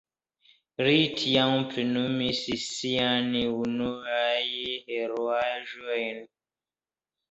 Li tiam plenumis siajn unuajn heroaĵojn.